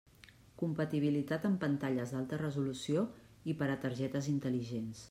Compatibilitat amb pantalles d'alta resolució i per a targetes intel·ligents.